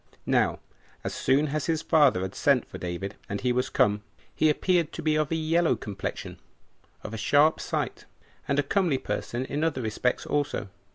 Now, as soon as his father had sent for David, and he was come, he appeared to be of a yellow complexion, of a sharp sight, and a comely person in other respects also.